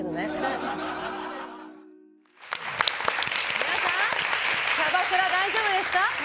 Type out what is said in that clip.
皆さん、キャバクラ大丈夫ですか？